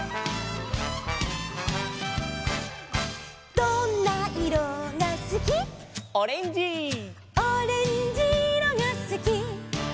「どんないろがすき」「」「オレンジいろがすき」